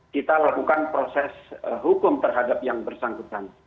kita lakukan proses hukum terhadap yang bersangkutan